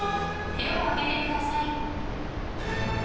手を上げてください。